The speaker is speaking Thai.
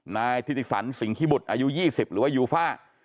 นายทิศรรสิ่งขี้บุตรอายุ๒๐หรือว่ายูฟ่า